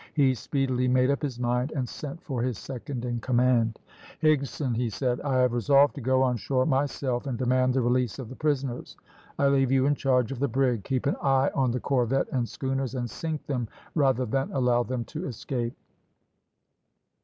He speedily made up his mind, and sent for his second in command. "Higson," he said, "I have resolved to go on shore myself, and demand the release of the prisoners. I leave you in charge of the brig. Keep an eye on the corvette and schooners, and sink them rather than allow them to escape."